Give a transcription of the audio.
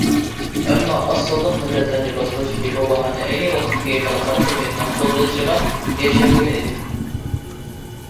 ئەمما ئاز سانلىق مىللەتلەرنى باستۇرۇشتىكى بۇ باھانە ئەينى ۋاقىتتىكى خەلقئارا جەمئىيەتنىڭ قوللىشىغا ئېرىشەلمىگەن ئىدى.